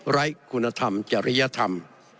ไร้คุณธรรมจริยธรรม